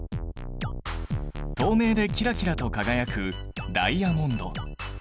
透明でキラキラと輝くダイヤモンド。